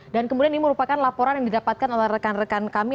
dan kemudian ini merupakan laporan yang didapatkan oleh rekan rekan kami